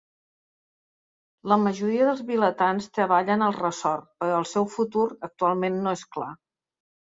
La majoria dels vilatans treballen al ressort, però el seu futur, actualment no és clar.